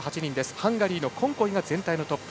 ハンガリー、コンコイが全体トップ。